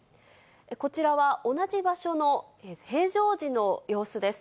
こちらは、同じ場所の平常時の様子です。